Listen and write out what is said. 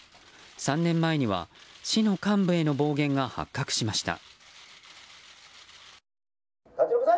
３年前には市の幹部への暴言が発覚しました。